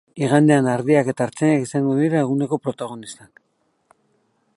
Igandean ardiak eta artzainak izango dira eguneko protagonistak.